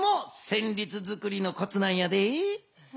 せんりつづくりのコツなんやで。